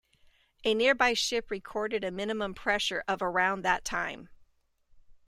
A nearby ship recorded a minimum pressure of around that time.